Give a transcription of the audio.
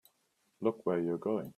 Look where you're going!